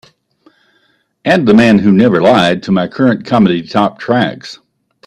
add the man who never lied to my current comedy top tracks